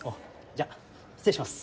じゃ失礼します。